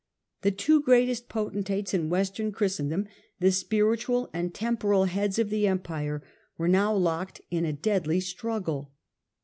The two greatest potentates in Western Christendom, the spiritual and temporal heads of the Empire, were now locked in a deadly struggle.